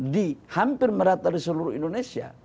di hampir merata di seluruh indonesia